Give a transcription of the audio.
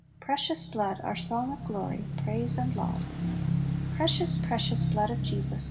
Precious blood, our song of glory, Praise and laud ! Little Pillows. 27 "Precious, precious blood of Jesus.